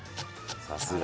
さすが。